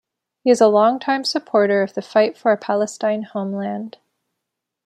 He is a longtime supporter of the fight for a Palestine homeland.